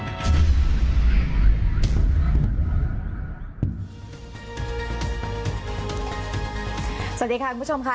สวัสดีค่ะคุณผู้ชมค่ะ